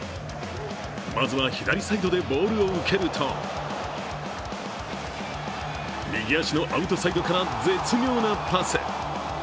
まずは左サイドでボールを受けると右足のアウトサイドから絶妙なパス。